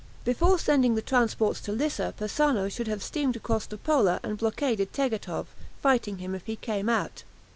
Before sending the transports to Lissa Persano should have steamed across to Pola and blockaded Tegethoff, fighting him if he came out.